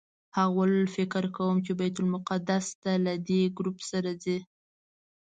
هغه وویل فکر کوم چې بیت المقدس ته له دې ګروپ سره ځئ.